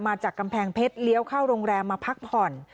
มาจากกำแพงเพชรเลี้ยวเข้าโรงแรมมาพักผ่อน